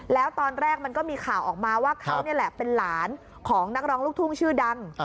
แล้วตอนแรกมันก็มีข่าวออกมาว่าเขานี่แหละเป็นหลานของนักร้องลูกทุ่งชื่อดัง